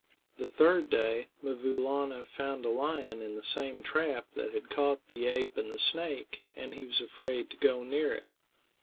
The third day, 'Mvoo Laana found a lion in the same trap that had caught the ape and the snake, and he was afraid to go near it.